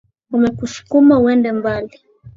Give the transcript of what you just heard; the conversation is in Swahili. Wamekusukuma uende mbali